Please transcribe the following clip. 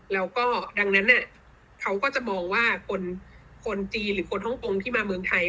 แล้วก็ดังนั้นเขาก็จะมองว่าคนจีนหรือคนฮ่องกงที่มาเมืองไทย